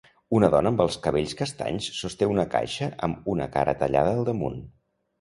Una dona amb els cabells castanys sosté una caixa amb una cara tallada al damunt.